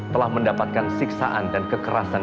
telah mendapatkan siksaan dan kekerasan